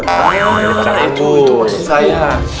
daripada anggur itu maksud saya